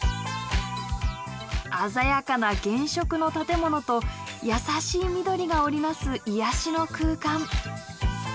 鮮やかな原色の建物と優しい緑が織り成す癒やしの空間。